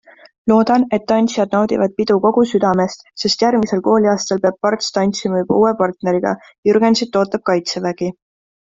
Loodan, et tantsijad naudivad pidu kogu südamest, sest järgmisel kooliaastal peab Parts tantsima juba uue partneriga, Jürgensit ootab kaitsevägi.